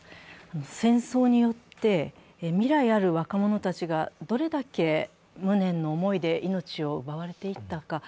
戦争によって未来ある若者たちがどれだけ無念の思いで命を奪われていったか。